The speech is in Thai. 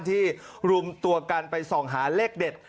ที่รูมตัวกันส่องหาเลขเด็ด